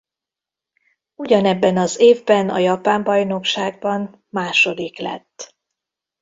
Ugyanebben az évben a japán bajnokságban második lett.